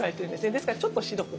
ですからちょっと白く。